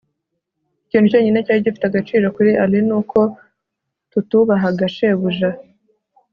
ikintu cyonyine cyari gifite agaciro kuri alain nuko tutubahaga shebuja